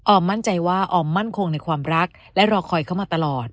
มั่นใจว่าออมมั่นคงในความรักและรอคอยเขามาตลอด